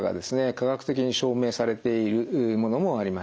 科学的に証明されているものもあります。